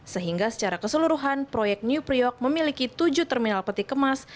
sehingga secara keseluruhan proyek new priok memiliki tujuh terminal peti kemas